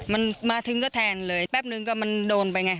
มันมาถึงก็แทนเลยแป๊บนึงก็มันโดนไปไง